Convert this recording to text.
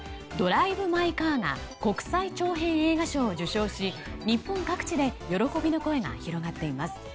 「ドライブ・マイ・カー」が国際長編映画賞を受賞し日本各地で喜びの声が広がっています。